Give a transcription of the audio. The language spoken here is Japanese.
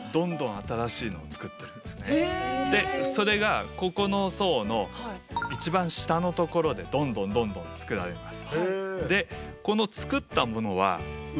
実はそれがここの層の一番下のところでどんどんどんどんつくられます。